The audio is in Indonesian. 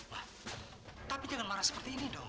nah tapi jangan marah seperti ini dong